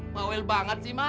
mawel banget sih mat